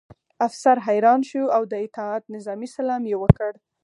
افسر حیران شو او د اطاعت نظامي سلام یې وکړ